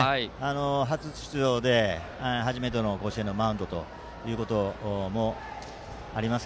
初出場で初めての甲子園のマウンドということもあります